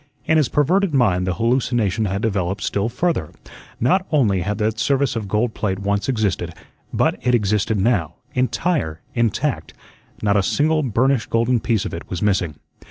In his perverted mind the hallucination had developed still further. Not only had that service of gold plate once existed, but it existed now, entire, intact; not a single burnished golden piece of it was missing.